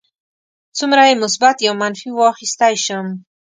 څومره یې مثبت یا منفي واخیستی شم.